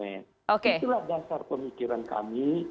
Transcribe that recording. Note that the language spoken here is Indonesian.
itulah dasar pemikiran kami